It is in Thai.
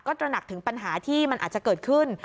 ตระหนักถึงปัญหาที่มันอาจจะเกิดขึ้น